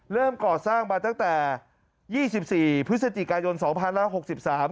เริ่มก่อสร้างมาตั้งแต่ยี่สิบสี่พฤศจิกายนสองพันร้อยหกสิบสาม